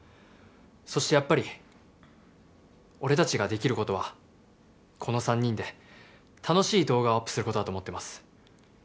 そしてやっぱり俺たちができることはこの３人で楽しい動画をアップすることだと思ってます